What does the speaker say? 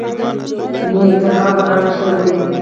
تګاب انار مشهور دي؟